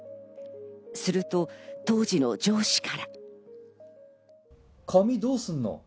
すると当時の上司から。